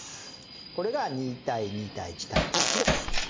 これが２対２対１対１です。